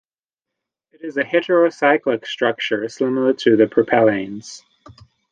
It is a heterocyclic structure similar to the propellanes.